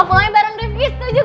mulainya bareng devisto juga